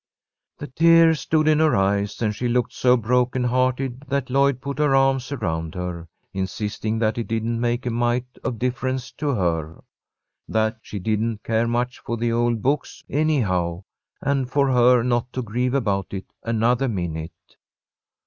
The tears stood in her eyes, and she looked so broken hearted that Lloyd put her arms around her, insisting that it didn't make a mite of difference to her. That she didn't care much for the old books, anyhow, and for her not to grieve about it another minute.